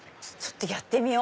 やってみよう。